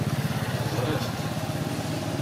Sriɣ-k.